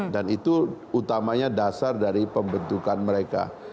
dan itu utamanya dasar dari pembentukan mereka